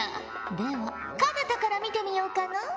では奏多から見てみようかのう。